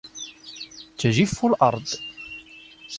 تَجِفُّ الْأرْضُ.